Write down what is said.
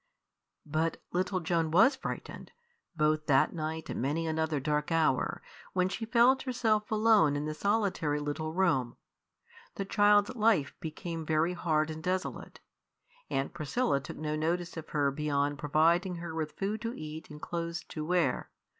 But little Joan was frightened, both that night and many another dark hour, when she felt herself alone in the solitary little room. The child's life became very hard and desolate. Aunt Priscilla took no notice of her beyond providing her with food to eat and clothes to wear.